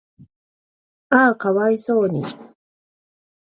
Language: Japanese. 嗚呼可哀想に